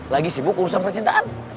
lagi sibuk urusan percintaan